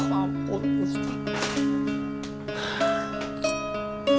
ya ampun gusti